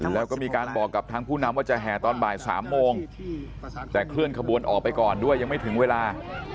แล้วก็มีการบอกกับทางผู้นำว่าจะแห่ตอนบ่าย๓โมงแต่เคลื่อนขบวนออกไปก่อนด้วยยังไม่ถึงเวลา